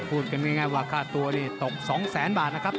พูดกันง่ายว่าค่าตัวนี่ตก๒แสนบาทนะครับ